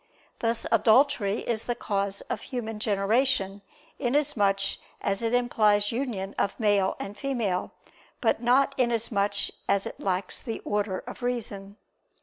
Thus adultery is the cause of human generation, inasmuch as it implies union of male and female, but not inasmuch as it lacks the order of reason.